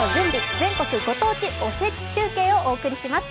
全国ご当地おせち中継」をお送りします。